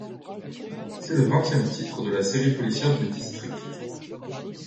C’est le vingtième titre de la série policière du District.